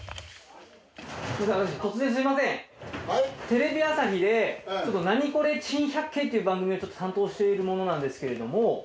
テレビ朝日で『ナニコレ珍百景』という番組を担当している者なんですけれども。